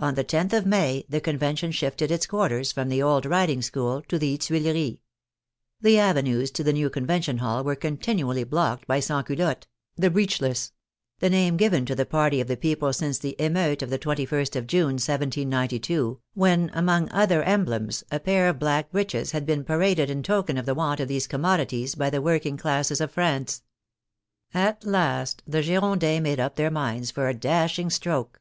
On the loth of May the Convention shifted its quarters from the old Riding School to the Tuileries. The avenues to the new Convention hall were continually blocked by sansculottes (the breechless), the name given to the party of the peo ple since the emeute of the 21st of June, 1792, when among other emblems a pair of black breeches had been paraded in token of the want of these commodities by the working classes of France. At last the Girondins made up their minds for a dashing stroke.